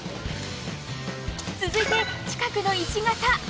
続いて近くの１型。